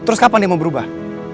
terus kapan dia mau berubah